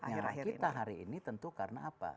nah death ratenya kita hari ini tentu karena apa